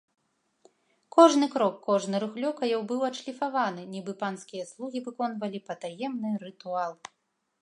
Кожны крок, кожны рух лёкаяў быў адшліфаваны, нібы панскія слугі выконвалі патаемны рытуал.